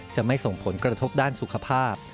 จะไม่ส่งผลกระทบด้านสุขภาพ